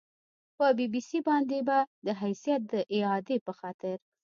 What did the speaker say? په بي بي سي باندې به د حیثیت د اعادې په خاطر